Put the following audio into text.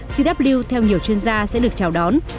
cw theo nhiều chuyên gia sẽ được chào đón